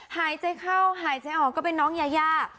หายใจเข้าหายใจออกก็เป็นน้องยายา